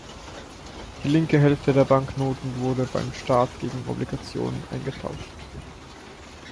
Die linke Hälfte der Banknoten wurde beim Staat gegen Obligationen eingetauscht.